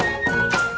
masih ada yang nangis